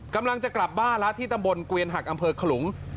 กำลังจะกลับบ้านแล้วที่ตำบลเกวียนหักอำเภอขลุง